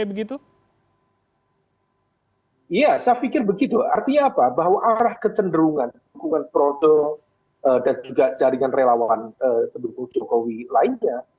iya saya pikir begitu artinya apa bahwa arah kecenderungan dukungan proto dan juga jaringan relawan pendukung jokowi lainnya